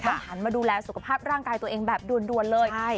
หันมาดูแลสุขภาพร่างกายตัวเองแบบด่วนเลย